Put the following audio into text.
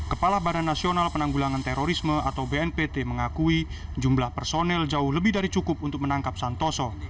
kepala badan nasional penanggulangan terorisme atau bnpt mengakui jumlah personel jauh lebih dari cukup untuk menangkap santoso